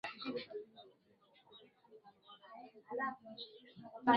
idhaa ya kiswahili ya sauti ya Amerika